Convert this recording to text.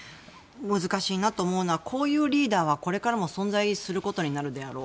難しいなと思うのはこういうリーダーはこれからも存在することになるであろう。